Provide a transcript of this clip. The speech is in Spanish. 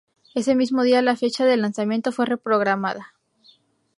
Ese mismo día la fecha de lanzamiento fue reprogramada.